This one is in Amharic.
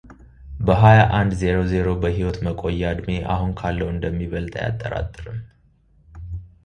በሀያ አንድ ዜሮ ዜሮ በሕይወት መቆያ ዕድሜ አሁን ካለው እንደሚበልጥ አያጠራጥርም።